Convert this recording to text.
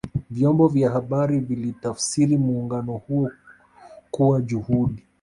vyombo vya habari vilitafsiri muungano huo kuwa juhudi